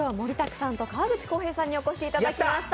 さんと河口こうへいさんにお越しいただきました。